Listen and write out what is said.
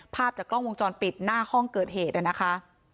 ภาพจากกล้องวงจรปิดหน้าห้องเกิดเหตุนะคะ